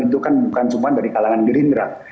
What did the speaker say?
itu kan bukan cuma dari kalangan gerindra